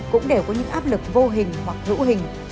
cũng đều có những áp lực vô hình hoặc hữu hình